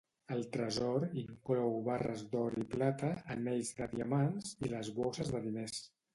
El tresor inclou barres d'or i plata, anells de diamants, i les bosses de diners.